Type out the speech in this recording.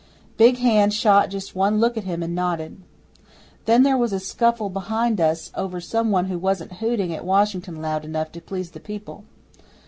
Big Hand shot just one look at him and nodded. Then there was a scuffle behind us over some one who wasn't hooting at Washington loud enough to please the people.